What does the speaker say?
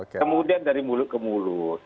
kemudian dari mulut ke mulut